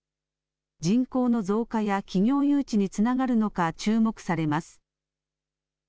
人口の増加や企業誘致につながるのか注目されます。